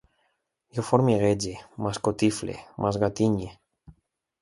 Jo formiguege, m'escotifle, m'esgatinye